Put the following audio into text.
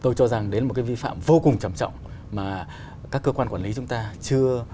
tôi cho rằng đến một cái vi phạm vô cùng trầm trọng mà các cơ quan quản lý chúng ta chưa